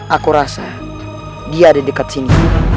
aku rasa dia ada dekat sini